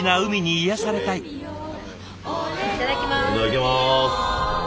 いただきます。